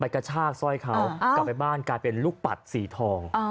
กระชากสร้อยเขากลับไปบ้านกลายเป็นลูกปัดสีทอง